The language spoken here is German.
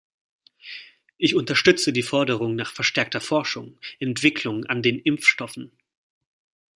Ich unterstütze die Forderung nach verstärkter Forschung, Entwicklung an den Impfstoffen.